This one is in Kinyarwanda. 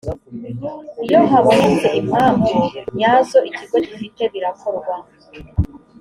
iyo habonetse impamvu nyazo ikigo gifite birakorwa